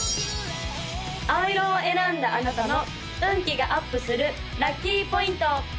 青色を選んだあなたの運気がアップするラッキーポイント！